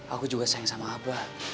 aku juga sayang sama abah